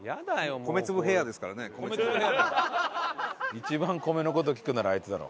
一番米の事聞くならあいつだろ。